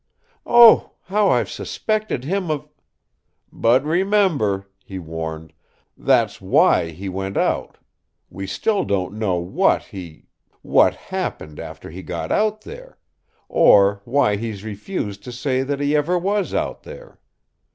Oh, how I've suspected him of " "But remember," he warned; "that's why he went out. We still don't know what he what happened after he got out there or why he's refused to say that he ever was out there.